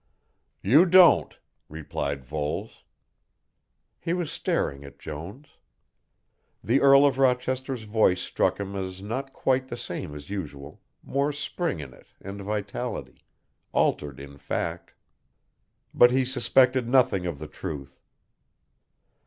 "You don't," replied Voles. He was staring at Jones. The Earl of Rochester's voice struck him as not quite the same as usual, more spring in it and vitality altered in fact. But he suspected nothing of the truth.